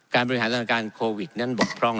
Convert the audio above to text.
การบริหารตนาการโควิดนั้นบกพร่อง